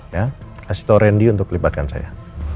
ya kasih tau randy untuk kelibatkan saya